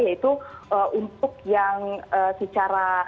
yaitu untuk yang secara